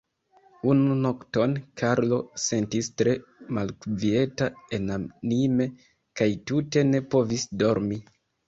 Unu nokton Karlo sentis tre malkvieta enanime, kaj tute ne povis dormi.